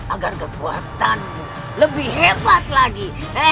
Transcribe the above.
agar kekuatanmu lebih hebat lagi